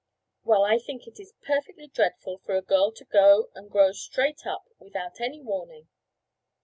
"Well, I think it is perfectly dreadful for a girl to go and grow straight up—without any warning."